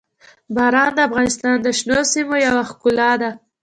باران د افغانستان د شنو سیمو یوه ښکلا ده.